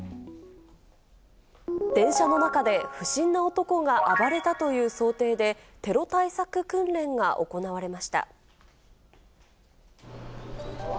電車の中で不審な男が暴れたという想定で、テロ対策訓練が行われました。